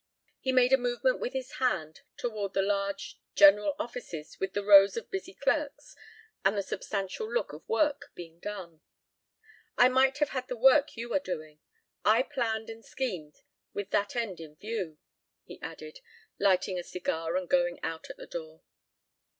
He made a movement with his hand toward the large general offices with the rows of busy clerks and the substantial look of work being done. "I might have had the work you are doing. I planned and schemed with that end in view," he added, lighting a cigar and going out at the door.